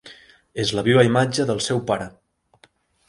És la viva imatge del seu pare.